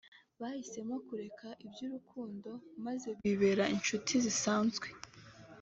bahisemo kureka iby’urukundo maze bibera inshuti zisanzwe